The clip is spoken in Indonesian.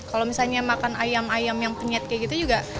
kalau misalnya makan ayam ayam yang penyet kayak gitu juga